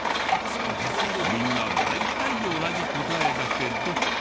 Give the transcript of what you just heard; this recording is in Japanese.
みんな大体同じ答えだけど。